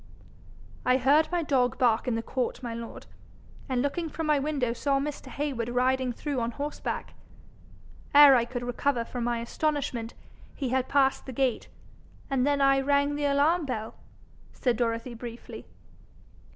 'I heard my dog bark in the court, my lord, and looking from my window saw Mr. Heywood riding through on horseback. Ere I could recover from my astonishment, he had passed the gate, and then I rang the alarm bell,' said Dorothy briefly.